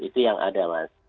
itu yang ada